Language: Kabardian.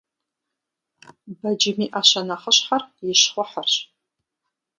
Бэджым и Iэщэ нэхъыщхьэр и щхъухьырщ.